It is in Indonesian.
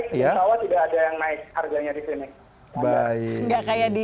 kalau tidak naik insya allah tidak ada yang naik harganya di sini